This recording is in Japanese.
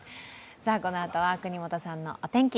このあとは國本さんのお天気。